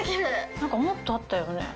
何かもっとあったよね。